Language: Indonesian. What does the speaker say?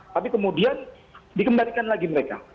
tapi kemudian dikembalikan lagi mereka